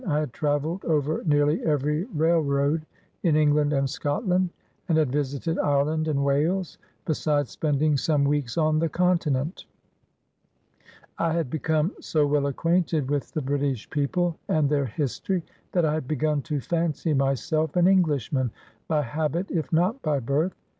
I had travelled over nearly every railroad in England and Scotland, and had visited Ireland and Wales, besides spending some weeks on the Continent. I had become so well acquainted with the British people and their history, that I had begun to fancy myself an Englishman, by habit, if not by birth.